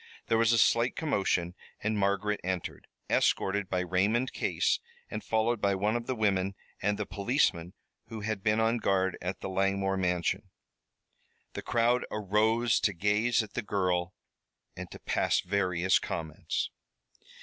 There was a slight commotion, and Margaret entered, escorted by Raymond Case, and followed by one of the women and the policeman who had been on guard at the Langmore mansion. The crowd arose to gaze at the girl and to pass various comments.